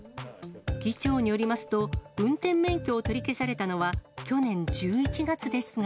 議長によりますと、運転免許を取り消されたのは去年１１月ですが。